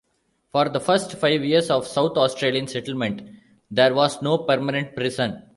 For the first five years of South Australian settlement there was no permanent prison.